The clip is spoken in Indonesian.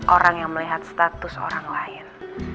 orang yang melihat status orang lain